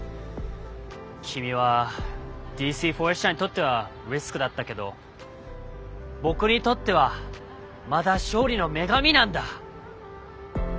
君はＤＣフォレスト社にとってはリスクだったけど僕にとってはまだ勝利の女神なんだ。